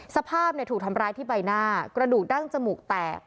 สภาพถูกทำร้ายที่ใบหน้ากระดูกดั้งจมูกแตก